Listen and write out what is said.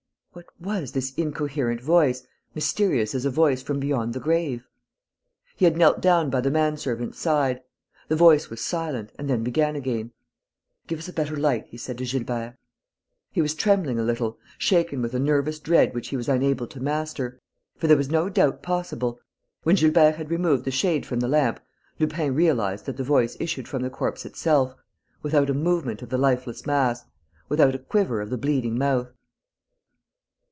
What was this incoherent voice, mysterious as a voice from beyond the grave? He had knelt down by the man servant's side. The voice was silent and then began again: "Give us a better light," he said to Gilbert. He was trembling a little, shaken with a nervous dread which he was unable to master, for there was no doubt possible: when Gilbert had removed the shade from the lamp, Lupin realized that the voice issued from the corpse itself, without a movement of the lifeless mass, without a quiver of the bleeding mouth.